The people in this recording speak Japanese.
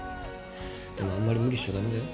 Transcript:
でもあんまり無理しちゃ駄目だよ。